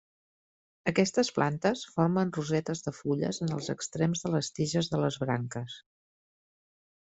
Aquestes plantes formen rosetes de fulles en els extrems de les tiges de les branques.